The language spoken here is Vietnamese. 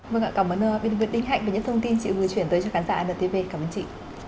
vâng ạ cảm ơn binh việt đinh hạnh và những thông tin chị vừa chuyển tới cho khán giả antv cảm ơn chị